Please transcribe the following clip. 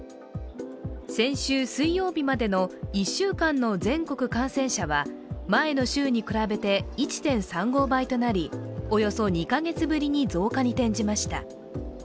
先週水曜日までの１週間の全国感染者は前の週に比べて１．３５倍となり、およそ２か月ぶりに増加に転じました。